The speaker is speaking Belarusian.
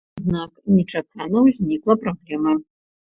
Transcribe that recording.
Аднак нечакана ўзнікла праблема.